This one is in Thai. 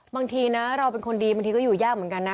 บางทีนะเราเป็นคนดีบางทีก็อยู่ยากเหมือนกันนะ